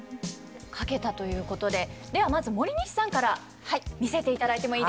書けたということでではまず森西さんから見せていただいてもいいですか？